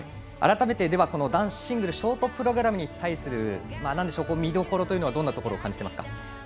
改めて、男子シングルショートプログラムに対する見どころというのはどんなところを感じていますか。